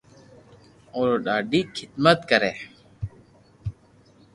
اورو ڌاڌي خدمت ڪري